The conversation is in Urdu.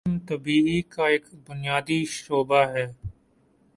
علم طبیعی کا ایک بنیادی شعبہ ہے